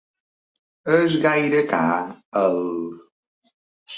És gaire car el...?